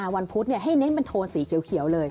วันพุธให้เน้นเป็นโทนสีเขียวเลย